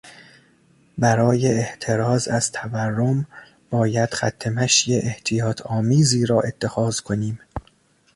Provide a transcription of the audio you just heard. برای احتراز از تورم باید خطمشی احتیاط آمیزی را اتخاذ کنیم.